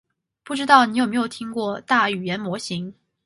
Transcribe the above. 不知道你有没有听过大语言模型？